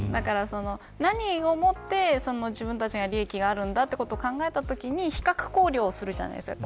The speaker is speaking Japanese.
何をもって自分たちに利益があるんだということを考えたとき比較考量するじゃないですか